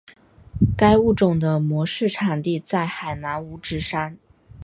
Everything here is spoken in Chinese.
该物种的模式产地在海南五指山。